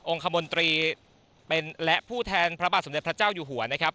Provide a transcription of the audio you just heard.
คมนตรีเป็นและผู้แทนพระบาทสมเด็จพระเจ้าอยู่หัวนะครับ